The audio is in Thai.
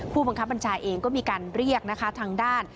ผู้บังคับบัญชาเองก็มีการเรียกนะคะทางด้าน